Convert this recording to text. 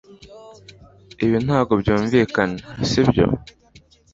Ibi ntabwo byumvikana sibyo